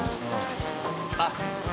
あっ！